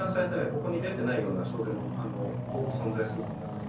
ここに出てないような症例も多く存在すると思われます。